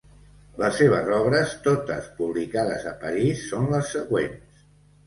Les seves obres, totes publicades a París, són les següents.